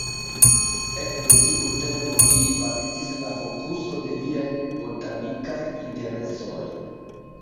Ekde tiu tempo ili fariĝis la fokuso de liaj botanikaj interesoj.